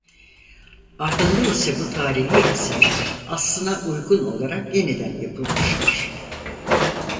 Ardında ise bu tarihi eser aslına uygun olarak yeniden yapılmıştır.